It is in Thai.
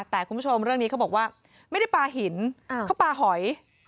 แต่คุณผู้ชมเรื่องนี้เขาบอกว่าไม่ได้ปลาหินเขาปลาหอย